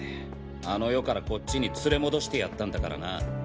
あの世からこっちに連れ戻してやったんだからな。